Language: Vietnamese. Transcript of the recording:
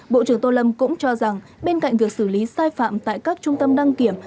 bộ trưởng tô lâm cũng cho rằng bên cạnh việc xử lý sai phạm tại các trung tâm đăng kiểm